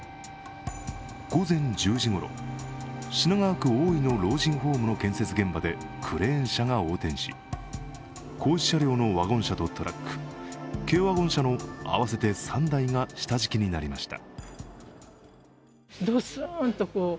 午前１０時ごろ、品川区大井の老人ホームの建設現場でクレーン車が横転し、工事車両のワゴン車とトラック、軽ワゴン車の合わせて３台が下敷きになりました。